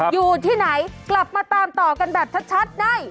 อยู่ที่ไหนกลับมาตามต่อกันแบบชัดใน